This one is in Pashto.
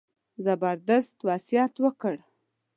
زبردست وصیت وکړ.